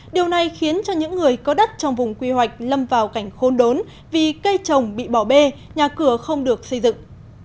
điều này khiến cho những người có đất trong vùng quy hoạch lâm vào cảnh khôn đốn vì cây trồng bị bỏ bê nhà cửa không được xây dựng